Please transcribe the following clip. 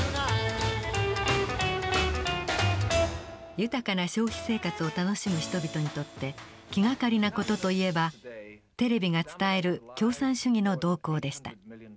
豊かな消費生活を楽しむ人々にとって気がかりな事といえばテレビが伝える共産主義の動向でした。